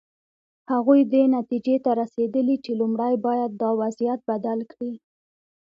هغوی دې نتیجې ته رسېدلي چې لومړی باید دا وضعیت بدل کړي.